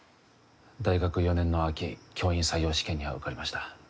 大学４年の秋、教員採用試験には受かりました。